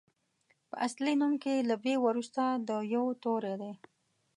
په اصلي نوم کې له بي وروسته د يوو توری دی.